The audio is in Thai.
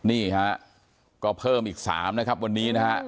นี่ฮะก็เพิ่มอีก๓นะครับวันนี้นะฮะ